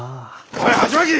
おいハチマキ！